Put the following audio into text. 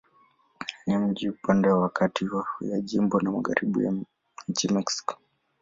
Ni mji upande wa kati ya jimbo na magharibi ya nchi Mexiko.